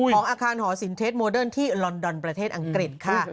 ของอาคารหอสินเทสโมเดิร์นที่ลอนดอนประเทศอังกฤษค่ะ